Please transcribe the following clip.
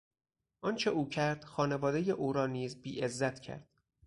آنچه او کرد خانوادهی او را نیز بیعزت کرد.